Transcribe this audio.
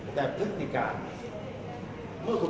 มันเป็นสิ่งที่เราไม่รู้สึกว่า